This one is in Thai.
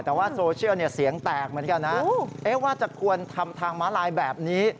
แต่ว่าโซเชียลเสียงแตกเหมือนกันนะว่าจะควรทำทางม้าลายแบบนี้